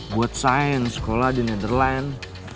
buat sains sekolah di netherlands